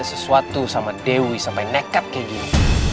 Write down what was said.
dia pasti ada sesuatu sama dewi sampai nekat kayak gini